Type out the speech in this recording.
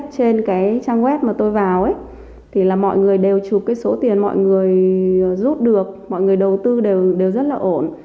trên cái trang web mà tôi vào ấy thì là mọi người đều chụp cái số tiền mọi người rút được mọi người đầu tư đều rất là ổn